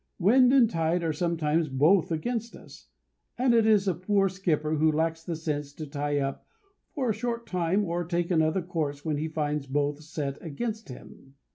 Wind and tide are sometimes both against us, and it is a poor skipper who lacks the sense to tie up for a short time or take another course when he finds both set against him.